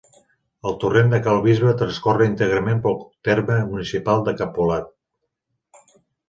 El Torrent de Cal Bisbe transcorre íntegrament pel terme municipal de Capolat.